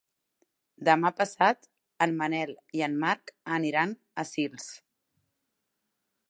Demà passat en Manel i en Marc aniran a Sils.